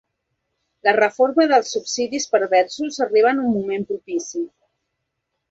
La reforma dels subsidis perversos arriba en un moment propici.